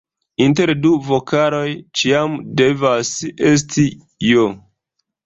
Inter du vokaloj ĉiam devas esti "j".